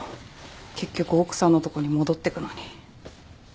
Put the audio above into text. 結局奥さんのとこに戻ってくのに。